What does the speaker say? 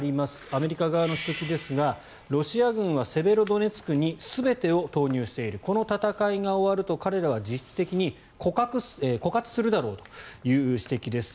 アメリカ側の指摘ですがロシア軍はセベロドネツクに全てを投入しているこの戦いが終わると彼らは実質的に枯渇するだろうという指摘です。